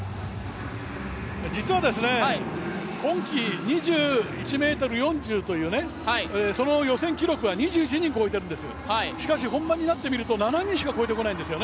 実は今季２１ｍ４０という、その予選記録は２１人越えているんです、しかし、本番になってみると７人しか越えてこないんです。